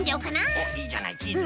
おっいいじゃないチーズ。